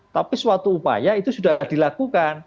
tapi suatu upaya itu sudah dilakukan